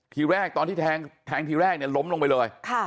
ทีแรกตอนที่แทงทีแรกเนี่ยล้มลงไปเลย